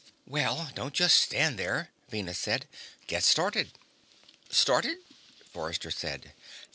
"Well, don't just stand there," Venus said. "Get started." "Started?" Forrester said.